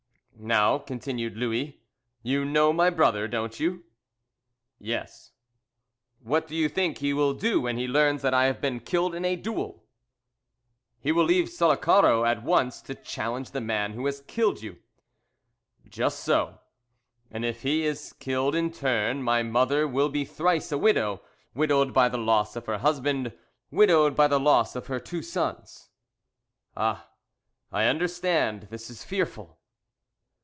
"Now," continued Louis; "you know my brother, don't you?" "Yes." "What do you think he will do when he learns that I have been killed in a duel?" "He will leave Sullacaro at once to challenge the man who has killed you." "Just so, and if he is killed in his turn, my mother will be thrice a widow; widowed by the loss of her husband, widowed by the loss of her two sons." "Ah! I understand. This is fearful!"